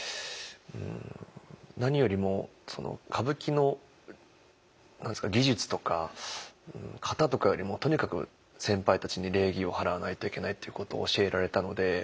何よりも歌舞伎の技術とか型とかよりもとにかく先輩たちに礼儀を払わないといけないっていうことを教えられたので。